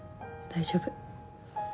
大丈夫。